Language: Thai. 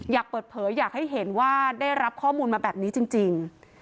อยากเปิดเผยอยากให้เห็นว่าได้รับข้อมูลมาแบบนี้จริง